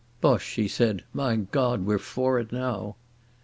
"Boche," he said. "My God, we're for it now."